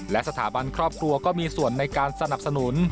และสถาบันครอบครัวก็มีส่วนในการสนับสนุน